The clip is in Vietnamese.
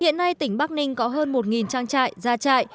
hiện nay tỉnh bắc ninh có hơn một trang trại gia trại